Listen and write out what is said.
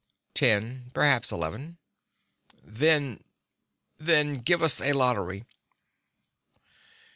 "Ten perhaps eleven." "Then then give us a lottery!"